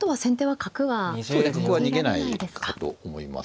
角は逃げないかと思います。